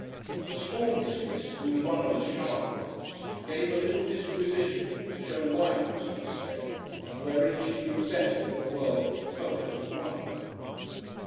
The schoolmistress, who was one of the sharp ones, gave a little disquisition to show why it was a mistake, and wherein she knew better than the world's poet and wonder.